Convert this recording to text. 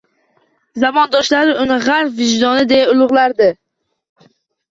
Zamondoshlari uni G‘arb vijdoni deya ulug‘lardi